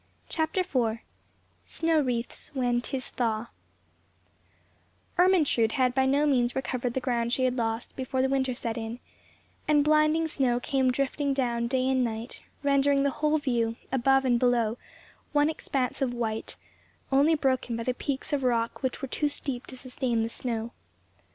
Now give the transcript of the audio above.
CHAPTER IV SNOW WREATHS WHEN 'TIS THAW ERMENTRUDE had by no means recovered the ground she had lost, before the winter set in; and blinding snow came drifting down day and night, rendering the whole view, above and below, one expanse of white, only broken by the peaks of rock which were too steep to sustain the snow.